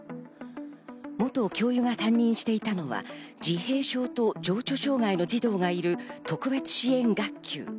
元教諭が担任していたのは自閉症と情緒障害の児童がいる特別支援学級。